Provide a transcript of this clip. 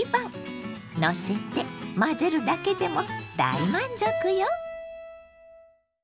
のせて混ぜるだけでも大満足よ！